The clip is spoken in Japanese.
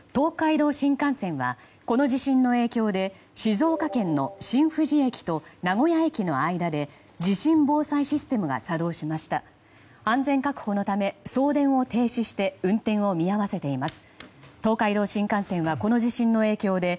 東海道新幹線はこの地震の影響で静岡県の新富士駅と名古屋駅の間で地震防災システムが作動し安全確保のため、送電を停止して運転を見合わせています。